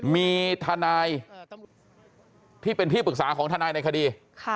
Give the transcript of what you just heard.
มีทนายที่เป็นที่ปรึกษาของทนายในคดี